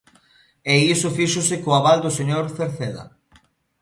E iso fíxose co aval do señor Cerceda.